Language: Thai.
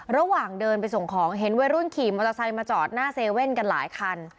ระหว่างเดินไปส่งของเห็นวัยรุ่นขี่มอเตอร์ไซค์มาจอดหน้าเซเว่นกันหลายคัน